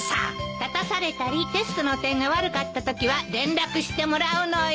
立たされたりテストの点が悪かったときは連絡してもらうのよ。